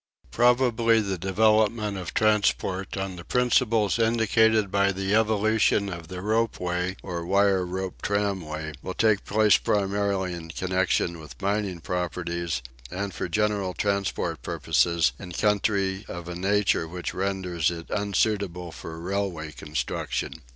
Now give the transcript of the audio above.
Probably the development of transport on the principles indicated by the evolution of the ropeway or wire rope tramway will take place primarily in connection with mining properties, and for general transport purposes in country of a nature which renders it unsuitable for railway construction.